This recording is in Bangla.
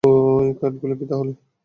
তো ঐ কার্ডগুলো কী তাহলে?